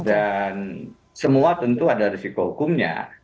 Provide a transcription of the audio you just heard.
dan semua tentu ada resiko hukumnya